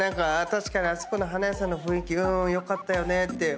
確かにあそこの花屋さんの雰囲気良かったよねって。